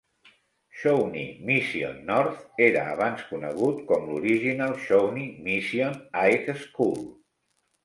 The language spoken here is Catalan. Shawnee Mission North era abans conegut com l'Original Shawnee Mission High School.